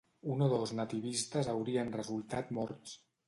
Un o dos nativistes haurien resultat morts.